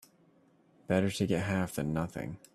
Better to get half than nothing.